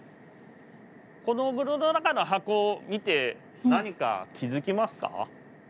この室の中の箱を見て何か気付きますか？